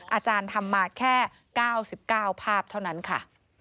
อาจารย์ทำมาแค่๙๙ภาพเท่านั้นค่ะ